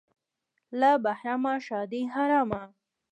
- له بهرامه ښادي حرامه.